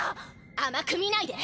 甘く見ないで。